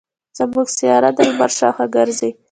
زمونږ سیاره د لمر شاوخوا ګرځي.